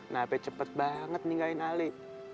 nabe cepet banget ninggain ali